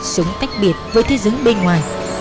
xuống tách biệt với thế giới bên ngoài